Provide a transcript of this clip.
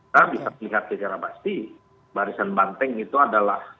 tapi tidak secara pasti barisan banteng itu adalah